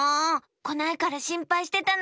こないからしんぱいしてたのに！